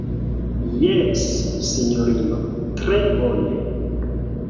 Jes, sinjorino, tre bone.